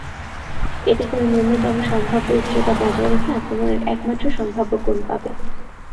এতে করে ন্যূনতম সম্ভাব্য উচ্চতা বজায় রেখে আক্রমণের একমাত্র সম্ভাব্য কোণ পাবে।